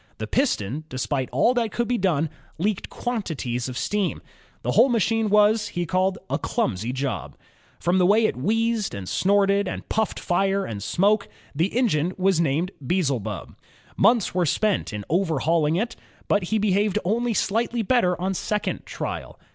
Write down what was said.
The piston, despite all that could be done, leaked quantities of steam. The whole machine was a "clumsy job." From the way it wheezed, and snorted, and puffed fire and smoke, the engine was named Beelzebub. Months were spent in overhauling him, but he behaved only slightly better on second trial.